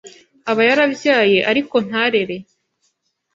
aba yarabyaye ariko ntarere